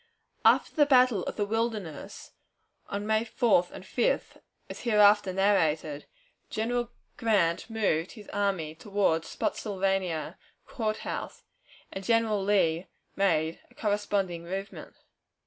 After the battle of the Wilderness, on May 4th and 5th, as hereafter narrated, General Grant moved his army toward Spottsylvania Court House, and General Lee made a corresponding movement.